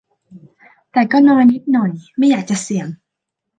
แต่ก็นอยนิดหน่อย ไม่อยากจะเสี่ยง